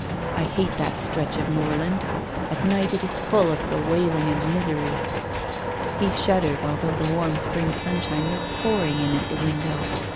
I hate that stretch of moorland. At night it is full of bewailing and misery." He shuddered although the warm spring sun shine was pouring in at the window.